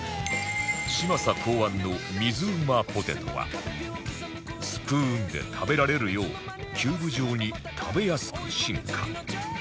嶋佐考案の水うまポテトはスプーンで食べられるようキューブ状に食べやすく進化